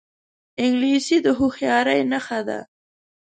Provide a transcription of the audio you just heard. انګلیسي د هوښیارۍ نښه ده